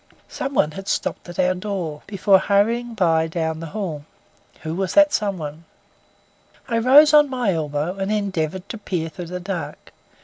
Someone had stopped at our door before hurrying by down the hall. Who was that someone? I rose on my elbow, and endeavoured to peer through the dark.